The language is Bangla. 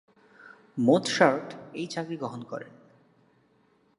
মোৎসার্ট এই চাকরি গ্রহণ করেন।